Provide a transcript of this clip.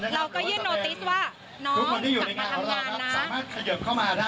เราก็ยื่นโนติสว่าน้องกลับมาทำงานนะ